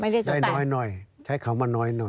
ได้น้อยใช้คำว่าน้อย